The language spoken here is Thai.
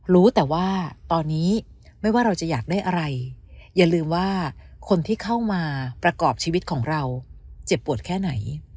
รู้แต่ว่าตอนนี้ไม่ว่าเราจะอยากได้อะไรอย่าลืมว่าคนที่เข้ามาประกอบชีวิตของเราเจ็บปวดแค่ไหน